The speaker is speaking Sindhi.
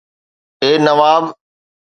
اي نواب